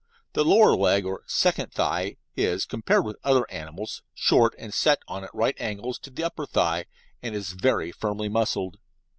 The lower leg (or second thigh) is, compared with other animals, short, and is set on at right angles to the upper thigh, and is very firmly muscled.